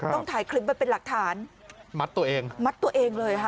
ถ่ายคลิปไว้เป็นหลักฐานมัดตัวเองมัดตัวเองเลยค่ะ